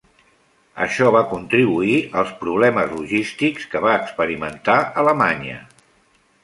Això va contribuir als problemes logístics que va experimentar Alemanya.